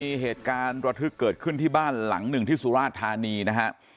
มีเหตุการณ์ระทึกเกิดขึ้นที่บ้านหลังหนึ่งที่สุราชธานีนะฮะ